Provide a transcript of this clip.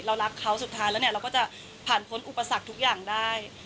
เรารักเขาสุดท้ายแล้วเนี่ยเราก็จะผ่านพ้นอุปสรรคทุกอย่างได้